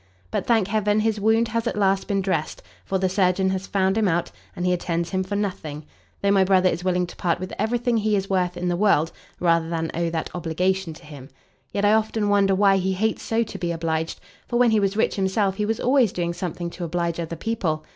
But, thank heaven, his wound has at last been dressed, for the surgeon has found him out, and he attends him for nothing; though my brother is willing to part with every thing he is worth in the world, rather than owe that obligation to him: yet I often wonder why he hates so to be obliged, for when he was rich himself he was always doing something to oblige other people.